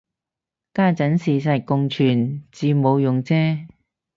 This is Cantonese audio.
家陣事實共存至冇用啫